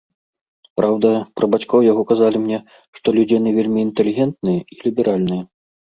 Праўда, пра бацькоў яго казалі мне, што людзі яны вельмі інтэлігентныя і ліберальныя.